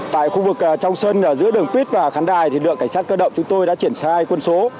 tại khu vực trong sân giữa đường tuyết và khán đài thì đội cảnh sát cơ động chúng tôi đã triển khai quân số